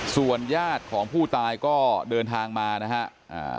ส่วนญาติของผู้ตายก็เดินทางมานะครับ